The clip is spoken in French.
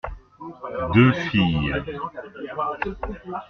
Deux filles.